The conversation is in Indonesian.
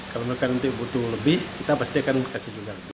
kalau mereka nanti butuh lebih kita pasti akan kasih juga